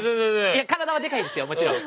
いや体はでかいですよもちろん。